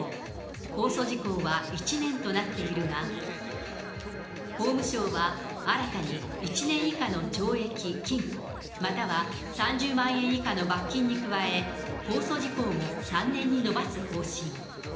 公訴時効は１年となっているが、法務省は新たに１年以下の懲役・禁錮、または３０万円以下の罰金に加え、公訴時効も３年に延ばす方針。